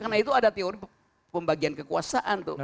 karena itu ada teori pembagian kekuasaan